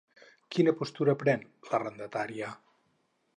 Quina postura pren l'arrendatària?